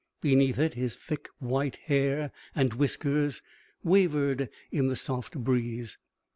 Beneath it his thick white hair and whiskers wavered in the soft breeze.